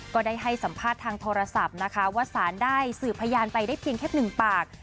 ก็ได้ให้สัมภาษณ์ทางโทรศัพท์นะคะว่าสารได้สื่อพยานไปได้เพียงแค่๑ปาก